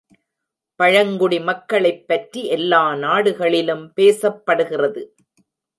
பழங்குடி மக்களைப்பற்றி, எல்லா நாடுகளிலும் பேசப் படுகிறது.